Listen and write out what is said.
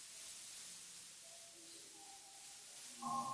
Omusomo gwawemmense ensimbi z'omuwi w'omusolo nkumu.